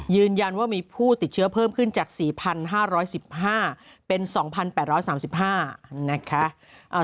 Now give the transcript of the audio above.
ยืนยันว่ามีผู้ติดเชื้อเพิ่มขึ้นจาก๔๕๑๕เป็น๒๘๓๕นะคะ